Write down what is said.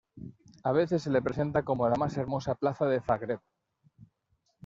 A veces se le presenta como "la más hermosa plaza de Zagreb".